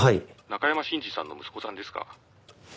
「中山信二さんの息子さんですか？」